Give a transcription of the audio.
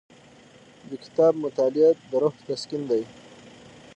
د کتاب مطالعه د روح تسکین دی.